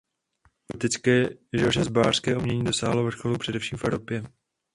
Gotické řezbářské umění dosáhlo vrcholů především v Evropě.